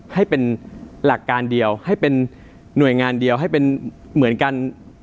ให้เป็นหลักการเดียวให้เป็นหน่วยงานเดียวให้เป็นเหมือนกัน